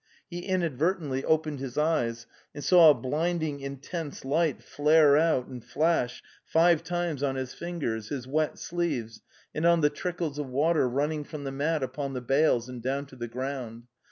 He inadvertently opened his eyes and saw a blinding intense light flare out and flash five times on his fingers, his wet sleeves, and on the trickles of water running from the mat upon the bales and down to the ground.